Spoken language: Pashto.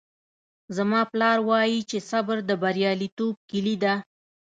زما پلار وایي چې صبر د بریالیتوب کیلي ده